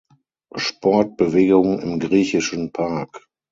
Sport, Bewegung im Griechischen Park.